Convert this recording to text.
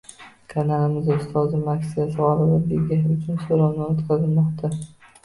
Kanalimizda ustozim aksiyasi gʻolibligi uchun soʻrovnoma oʻtkazilmoqda.